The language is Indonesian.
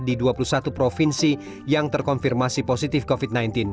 di dua puluh satu provinsi yang terkonfirmasi positif covid sembilan belas